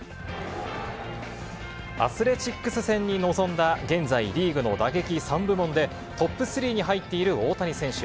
アスレチックス戦に臨んだ、現在、リーグの打撃３部門でトップ３に入っている大谷選手。